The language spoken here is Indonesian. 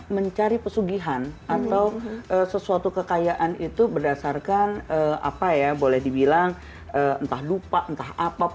mencari pesugihan atau sesuatu kekayaan itu berdasarkan apa ya boleh dibilang entah lupa entah apa